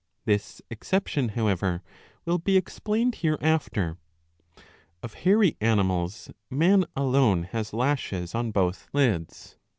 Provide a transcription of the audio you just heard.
^ This exception, however, will be explained hereafter. Of hairy animals, man alone has lashes on both lids.